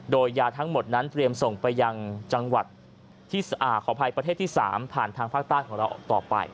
โดยยาทั้งหมดนั้นเตรียมส่งไปยังจังหวัดขออภัยประเทศที่๓ผ่านทางภาคใต้ของเราออกต่อไป